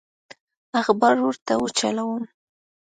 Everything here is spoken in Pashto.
اخبار ورته وچلوم.